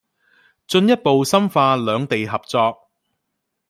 進一步深化兩地合作